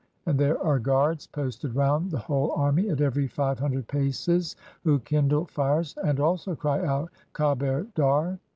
and there are guards posted round the whole army at every five hundred paces, who kindle fires, and also cry out " Kaber dar